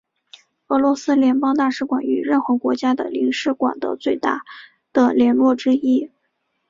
俄罗斯联邦大使馆与任何国家的领事馆的最大的联络之一。